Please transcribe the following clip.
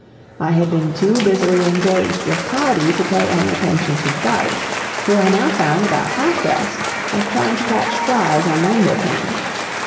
I had been too busily engaged with Toddie to pay any attention to Budge, who I now found about half dressed and trying to catch flies on the windowpane.